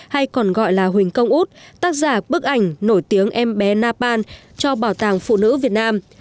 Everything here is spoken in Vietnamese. hay còn gọi là huỳnh công út tác giả bức ảnh nổi tiếng em bé napan cho bảo tàng phụ nữ việt nam